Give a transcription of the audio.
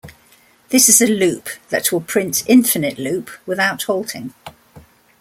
This is a loop that will print "Infinite Loop" without halting.